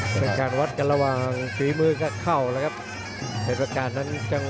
เพชรพัดการการลดอันออกไปได้นะครับ